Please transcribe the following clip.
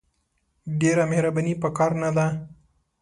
ډېره مهرباني په کار نه ده !